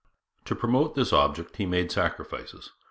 To promote this object he made sacrifices.